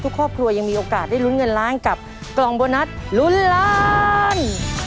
ครอบครัวยังมีโอกาสได้ลุ้นเงินล้านกับกล่องโบนัสลุ้นล้าน